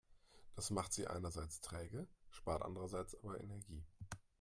Das macht sie einerseits träge, spart andererseits aber Energie.